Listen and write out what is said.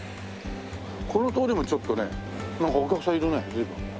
この通りもちょっとねなんかお客さんいるね随分。